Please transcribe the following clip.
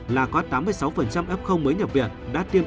là có tám mươi sáu f mới nhập viện